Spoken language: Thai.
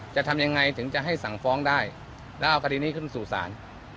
จะทำยังไงถึงจะให้สั่งฟ้องได้แล้วเอาคดีนี้ขึ้นสู่ศาล